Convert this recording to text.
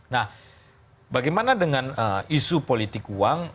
nah bagaimana dengan isu politik uang